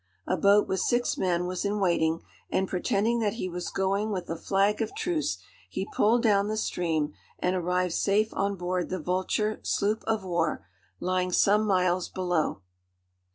A boat with six men was in waiting; and, pretending that he was going with a flag of truce, he pulled down the stream, and arrived safe on board the Vulture sloop of war, lying some miles below.